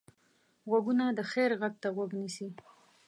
غوږونه د خیر غږ ته غوږ نیسي